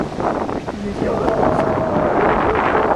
Pertenece a Televisión de Cataluña.